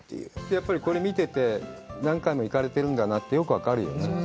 やっぱりこれ見てて、何回も行かれてるんだなって、よく分かるよね。